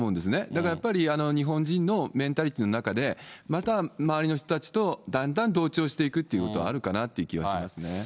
だからやっぱり、日本人のメンタリティーの中で、また周りの人たちとだんだん同調していくっていうことはあるかなっていう気はしますね。